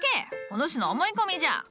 お主の思い込みじゃ。